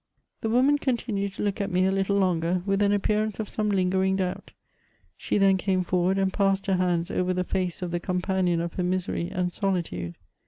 The woman continued to look at me a little longer, with an appearance of some lingering doubt. She then came forward, and passed her hands over the face of the companion of her misery and solitude.